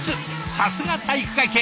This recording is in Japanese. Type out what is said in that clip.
さすが体育会系！